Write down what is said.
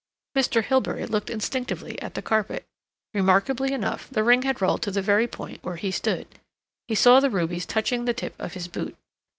Mr. Hilbery looked instinctively at the carpet. Remarkably enough, the ring had rolled to the very point where he stood. He saw the rubies touching the tip of his boot.